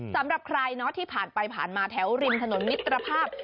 สำหรับใครที่ผ่านไปผ่านมาแถวริมถนนมิตรภาพ